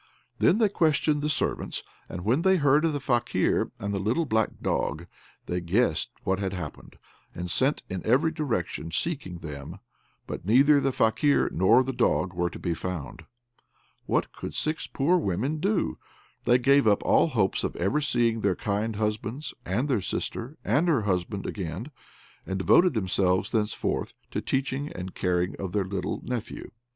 Then they questioned the servants, and when they heard of the Fakir and the little black dog, they guessed what had happened, and sent in every direction seeking them, but neither the Fakir nor the dog were to be found. What could six poor women do? They gave up all hopes of ever seeing their kind husbands, and their sister, and her husband, again, and devoted themselves thenceforward to teaching and taking care of their little nephew.